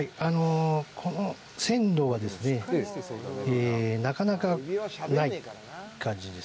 この鮮度はなかなかない感じです。